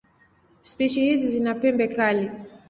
Spishi hizi zina pembe kali.